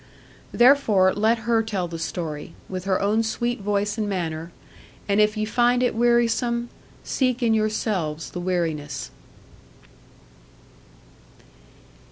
Therefore let her tell the story, with her own sweet voice and manner; and if ye find it wearisome, seek in yourselves the weariness.